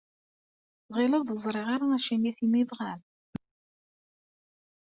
Tɣileḍ ur ẓriɣ ara acimi temyebram?